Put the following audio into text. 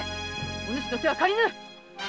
お主の手は借りぬ！